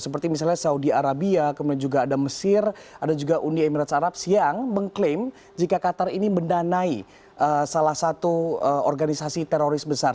seperti misalnya saudi arabia kemudian juga ada mesir ada juga uni emirat arab yang mengklaim jika qatar ini mendanai salah satu organisasi teroris besar